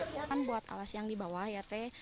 bantuan buat awas yang di bawah ya teh